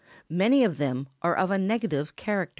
Many of them are of a negative character.